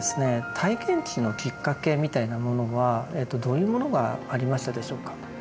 「体験知」のきっかけみたいなものはどういうものがありましたでしょうか。